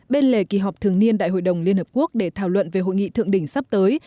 bên lề kỳ họp thường niên đại hội đồng liên hợp quốc để thảo luận về hội nghị thượng đỉnh sắp tới